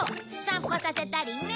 散歩させたりね。